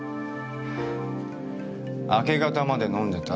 明け方まで飲んでた。